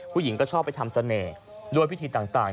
ผู้หญิงก็ชอบไปทำเสน่ห์ด้วยพิธีต่าง